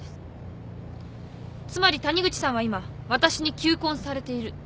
つまり谷口さんは今私に求婚されているということですね？